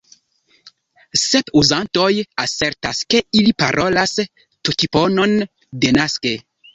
Sep uzantoj asertas, ke ili parolas tokiponon denaske.